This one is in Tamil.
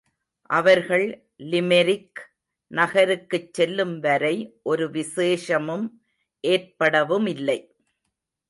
அவர்கள் லிமெரிக் நகருக்குச் செல்லும் வரை ஒரு விசேஷமும் ஏற்படவுமில்லை.